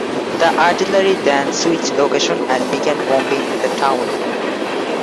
The artillery then switched location and began bombing the town.